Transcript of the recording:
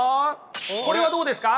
これはどうですか？